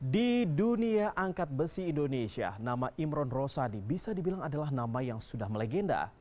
di dunia angkat besi indonesia nama imron rosadi bisa dibilang adalah nama yang sudah melegenda